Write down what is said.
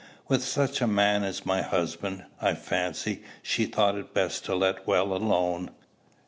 With such a man as my husband, I fancy, she thought it best to let well alone.